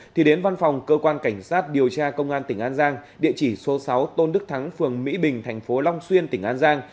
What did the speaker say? thì đến văn phòng cơ quan cảnh sát điều tra công an tỉnh an giang địa chỉ số sáu tôn đức thắng phường mỹ bình thành phố long xuyên tỉnh an giang